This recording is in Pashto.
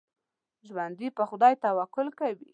ژوندي پر خدای توکل کوي